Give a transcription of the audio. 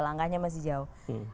langkahnya masih jauh